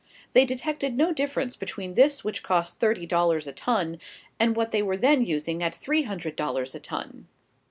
They detected no difference between this which cost thirty dollars a ton, and what they were then using at three hundred dollars a ton.